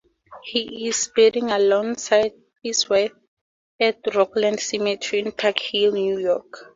He is buried alongside his wife at Rockland Cemetery in Sparkill, New York.